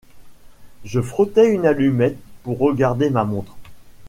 Je frottais une allumette pour regarder ma montre.